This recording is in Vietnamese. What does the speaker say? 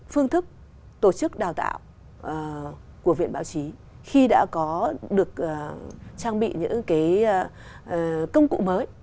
phương thức tổ chức đào tạo của viện báo chí khi đã có được trang bị những công cụ mới